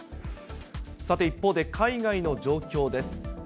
さて一方で、海外の状況です。